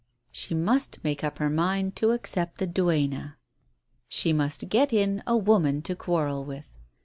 She must make up her mind to accept the duenna — she must get in a woman to quarrel with